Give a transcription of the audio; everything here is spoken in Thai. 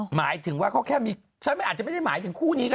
หมายถึงว่าเขาแค่มีฉันอาจจะไม่ได้หมายถึงคู่นี้ก็